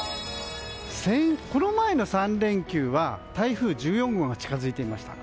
この前の３連休は台風１４号が近づいていました。